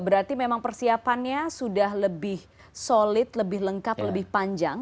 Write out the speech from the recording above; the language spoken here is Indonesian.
berarti memang persiapannya sudah lebih solid lebih lengkap lebih panjang